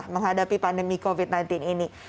menghadapi pandemi covid sembilan belas ini